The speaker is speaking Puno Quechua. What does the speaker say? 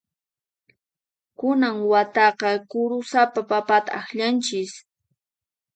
Kunan wataqa kurusapa papata allanchis.